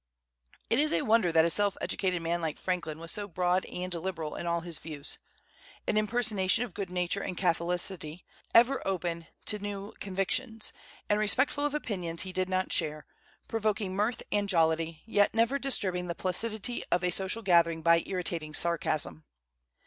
It is a wonder that a self educated man like Franklin was so broad and liberal in all his views, an impersonation of good nature and catholicity, ever open to new convictions, and respectful of opinions he did not share, provoking mirth and jollity, yet never disturbing the placidity of a social gathering by irritating sarcasm.